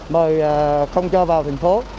mời không cho vào thành phố